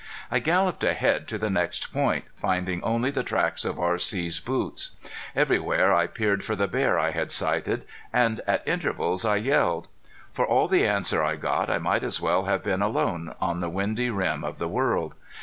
I galloped ahead to the next point, finding only the tracks of R.C.'s boots. Everywhere I peered for the bear I had sighted, and at intervals I yelled. For all the answer I got I might as well have been alone on the windy rim of the world.